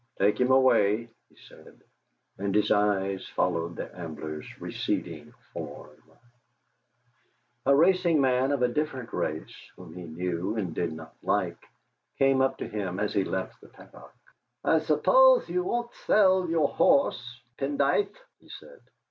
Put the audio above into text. "Take him away," he said, and his eyes followed the Ambler's receding form. A racing man of a different race, whom he knew and did not like, came up to him as he left the paddock. "I suppothe you won't thell your horse, Pendythe?" he said.